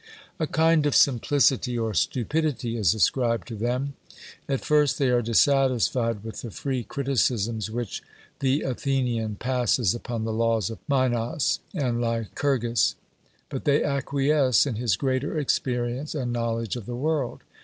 A kind of simplicity or stupidity is ascribed to them. At first, they are dissatisfied with the free criticisms which the Athenian passes upon the laws of Minos and Lycurgus, but they acquiesce in his greater experience and knowledge of the world.